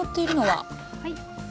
はい。